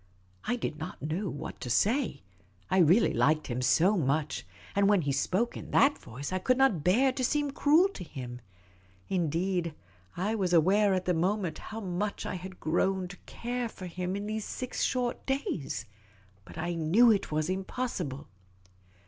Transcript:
I did not know what to say. I really liked him so much ; and when he spoke in that voice, I could not bear to seem cruel to him. Indeed, I was aware at the moment how much I had grown to care for him in those six short days. But I knew it was impossible.